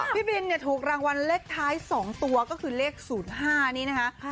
พี่บินเนี่ยถูกรางวัลเลขท้าย๒ตัวก็คือเลข๐๕นี้นะคะ